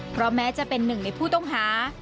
เพราะแม้จะเป็นหนึ่งในผู้ต้องหา